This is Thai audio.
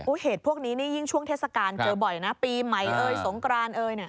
เหตุพวกนี้นี่ยิ่งช่วงเทศกาลเจอบ่อยนะปีใหม่เอ่ยสงกรานเอยเนี่ย